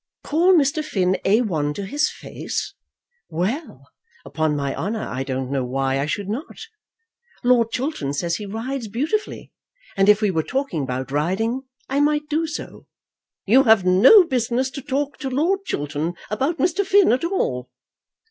"Call Mr. Finn A 1 to his face! Well, upon my honour I don't know why I should not. Lord Chiltern says he rides beautifully, and if we were talking about riding I might do so." "You have no business to talk to Lord Chiltern about Mr. Finn at all."